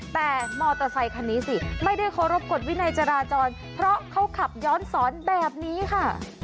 แต่มอเตอร์ไซคันนี้สิไม่ได้เคารพกฎวินัยจราจรเพราะเขาขับย้อนสอนแบบนี้ค่ะ